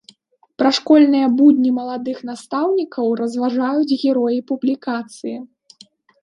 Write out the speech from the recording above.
Пра школьныя будні маладых настаўнікаў разважаюць героі публікацыі.